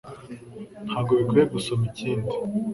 Ntabwo bikwiye gusoma ikindi